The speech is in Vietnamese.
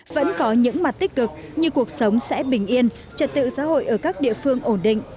vẫn có những mặt tích cực như cuộc sống sẽ bình yên trật tự xã hội ở các địa phương ổn định